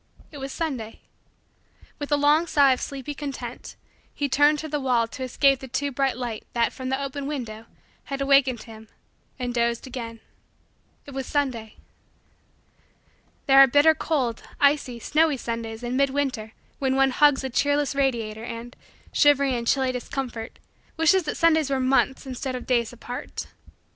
It was Sunday. With a long sigh of sleepy content, he turned toward the wall to escape the too bright light that, from the open window, had awakened him and dozed again. It was Sunday. There are bitter cold, icy, snowy, Sundays in mid winter when one hugs the cheerless radiator and, shivering in chilly discomfort, wishes that Sundays were months instead of days apart.